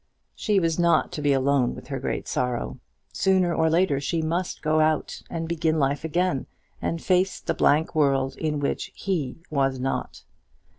She was not to be alone with her great sorrow. Sooner or later she must go out and begin life again, and face the blank world in which he was not.